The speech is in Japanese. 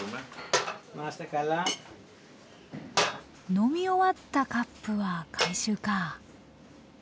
飲み終わったカップは回収か。